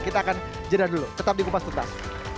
kita akan jeda dulu tetap di kupas tuntas